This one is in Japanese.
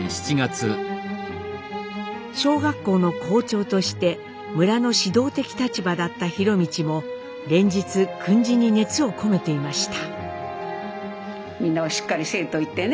小学校の校長として村の指導的立場だった博通も連日訓示に熱を込めていました。